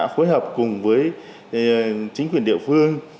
phối hợp cùng với chính quyền địa phương